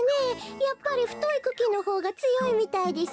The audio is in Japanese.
やっぱりふといクキのほうがつよいみたいですよ。